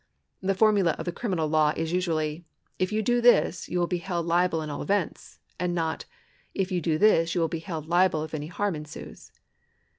The formula of the criminal law is usually : "If you do this, you will be held liable in all events," and not : "If you do this you will be held liable if any harm ensues."